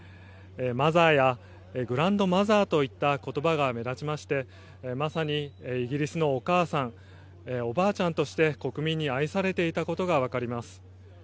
マザーやグランドマザーといった言葉が目立ちましてまさにイギリスのお母さんおばあちゃんとして国民に愛されていたことがわかります。